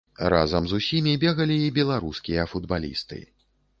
Разам з усімі бегалі і беларускія футбалісты.